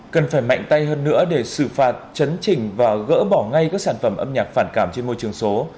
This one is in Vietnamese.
cần phải mạnh tay hơn nữa để xử phạt chấn chỉnh và gỡ bỏ ngay các sản phẩm âm nhạc phản cảm trên môi trường số